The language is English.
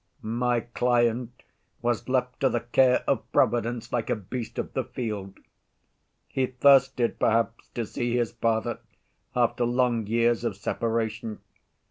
My client was left to the care of Providence like a beast of the field. He thirsted perhaps to see his father after long years of separation.